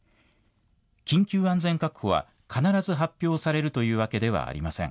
緊急安全確保は必ず発表されるというわけではありません。